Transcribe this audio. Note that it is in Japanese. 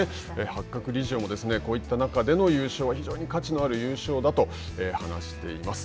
八角理事長もこういった中での優勝は非常に価値のある優勝だと話しています。